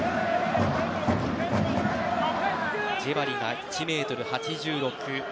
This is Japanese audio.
ジェバリが１ｍ８６。